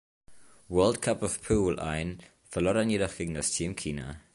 World Cup of Pool ein, verlor dann jedoch gegen das Team China.